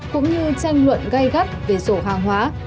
cũng như tranh luận gây gắt về sổ hàng hóa